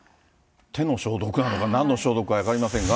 手の消毒なのかなんの消毒なのか分かりませんが。